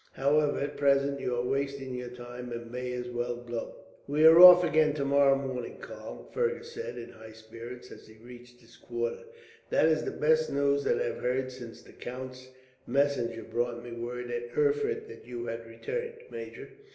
However, at present you are wasting your time, and may as well go." "We are off again tomorrow morning, Karl," Fergus said, in high spirits, as he reached his quarters. "That is the best news that I have heard since the count's messenger brought me word, at Erfurt, that you had returned, major.